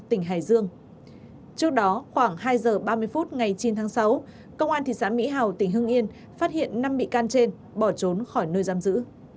trước đó khoảng hai giờ ba mươi phút ngày chín tháng sáu công an thị xã mỹ hào tỉnh hưng yên phát hiện năm bị can trên bỏ trốn khỏi nơi giam giữ